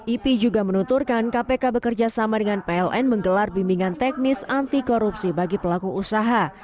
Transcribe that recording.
ipi juga menuturkan kpk bekerja sama dengan pln menggelar bimbingan teknis anti korupsi bagi pelaku usaha